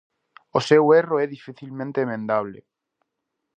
O seu erro é dificilmente emendable.